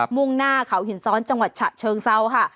มุ่งหน้าเขาหินซ้อนจังหวัดฉะเชิงเซาค่ะ